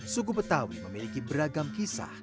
suku betawi memiliki beragam kisah